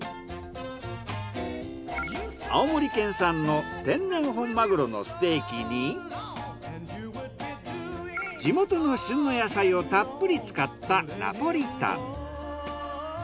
青森県産の天然本マグロのステーキに地元の旬の野菜をたっぷり使ったナポリタン。